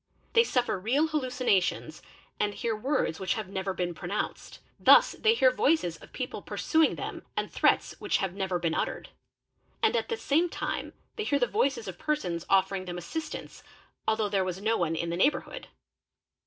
They suffer real hallucina — tions and hear words which have never been pronounced. Thus they hear voices of people pursuing them and threats which have never been uttered; and at the same time they hear the voices of persons offering them assistance, although there is no one in the neighbourhood.